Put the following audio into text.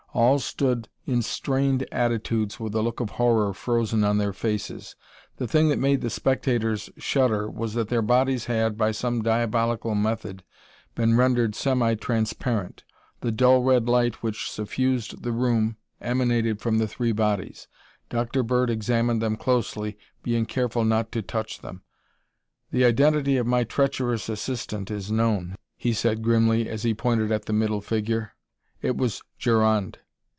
All stood in strained attitudes with a look of horror frozen on their faces. The thing that made the spectators shudder was that their bodies had, by some diabolical method, been rendered semi transparent. The dull red light which suffused the room emanated from the three bodies. Dr. Bird examined them closely, being careful not to touch them. "The identity of my treacherous assistant is known," he said grimly as he pointed at the middle figure. "It was Gerond.